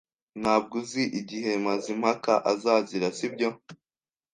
Ntabwo uzi igihe Mazimpaka azazira, sibyo?